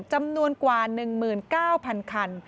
จำนวนกว่า๑๙๐๐คัน